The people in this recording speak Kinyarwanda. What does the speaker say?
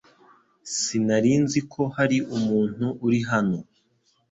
Sinari nzi ko hari umuntu uri hano .